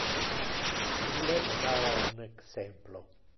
Ille me dava un exemplo.